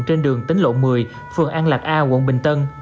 trên đường tính lộ một mươi phường an lạc a quận bình tân